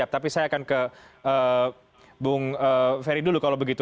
tapi saya akan ke bung ferry dulu kalau begitu